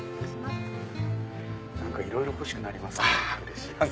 いろいろ欲しくなります